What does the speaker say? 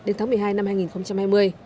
đến tháng một mươi hai năm hai nghìn hai mươi